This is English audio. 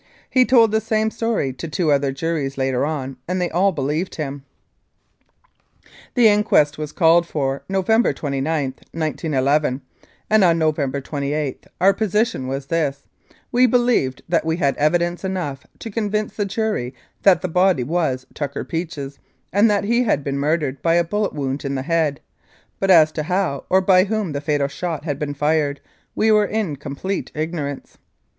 He told the same story to two other juries later on, and they all believed him. The inquest was called for November 29, 1911, and on November 28 our position was this we believed that we had evidence enough to convince the jury that the body was Tucker Peach's, and that he had been murdered by a bullet wound in the head, but as to how or by whom the fatal shot had been fired we were in complete ignorance.